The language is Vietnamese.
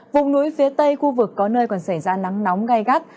vùng núi phía tây khu vực có nơi còn xảy ra nắng nóng gai gắt